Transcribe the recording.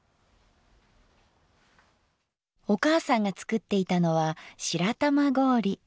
お母さんが作っていたのは白玉氷。